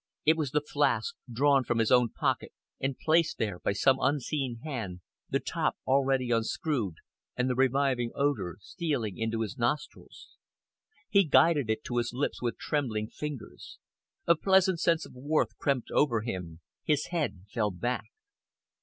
It was the flask, drawn from his own pocket and placed there by some unseen hand, the top already unscrewed, and the reviving odour stealing into his nostrils. He guided it to his lips with trembling fingers. A pleasant sense of warmth crept over him. His head fell back.